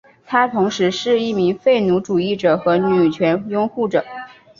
他同时是一名废奴主义者和女权拥护者。